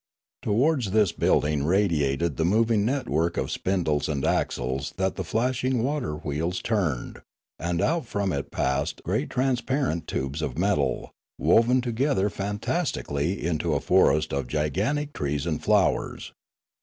Towards this building radiated the moving network of spindles and axles that the flashing water wheels turned, and out from it passed great trans parent tubes of metal, woven together fantastically into a forest of gigantic trees and flowers.